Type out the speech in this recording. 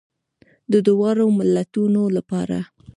د دواړو ملتونو لپاره.